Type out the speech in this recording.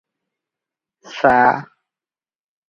ସା।